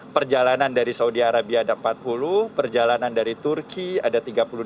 perjalanan dari saudi arabia ada empat puluh perjalanan dari turki ada tiga puluh delapan